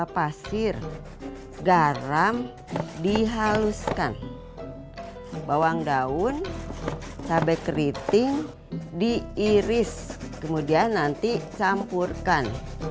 pasir garam dihaluskan bawang daun cabai keriting diiris kemudian nanti campurkan